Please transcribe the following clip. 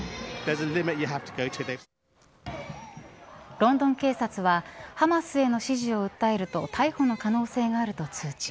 ロンドン警察はハマスへの支持を訴えると逮捕の可能性があると通知。